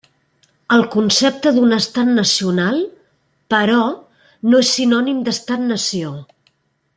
El concepte d'un estat nacional, però, no és sinònim d'estat nació.